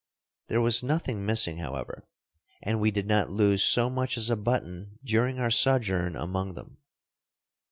There was nothing missing, however: and we did not lose so much as a button during our sojourn among them.